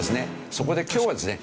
そこで今日はですね